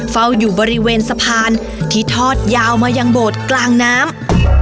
เฝ้าอยู่บริเวณสะพานที่ทอดยาวมายังโบสถ์กลางน้ำ